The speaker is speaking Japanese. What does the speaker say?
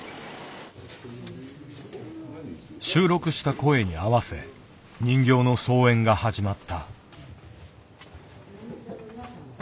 収録した声に合わせ人形の操演が始まった。